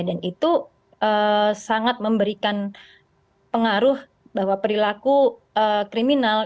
dan itu sangat memberikan pengaruh bahwa perilaku kriminal